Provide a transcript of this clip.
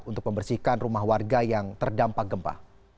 untuk membersihkan rumah warga yang terdampak gempa